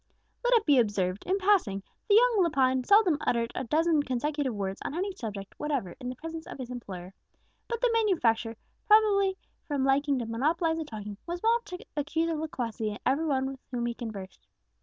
Let it be observed, in passing, that young Lepine seldom uttered a dozen consecutive words on any subject whatever in the presence of his employer; but the manufacturer, probably from liking to monopolize the talking, was wont to accuse of loquacity every one with whom he conversed.